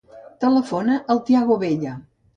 Telefona al Tiago Bella.